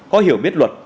có hiểu biết luật